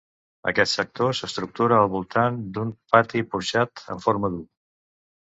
Aquest sector s'estructura al voltant d'un pati porxat en forma d'u.